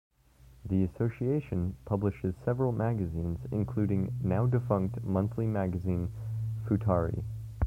The association publishes several magazines, including now-defunct monthly magazine "Futari".